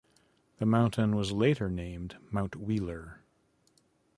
The mountain was later named Mount Wheeler.